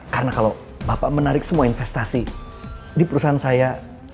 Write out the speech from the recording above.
karena kalau bapak menarik semua investasi di perusahaan saya